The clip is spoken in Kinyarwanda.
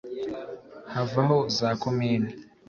havaho za komini